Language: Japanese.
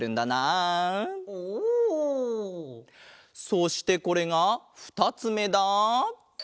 そしてこれがふたつめだ！